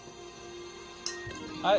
はい。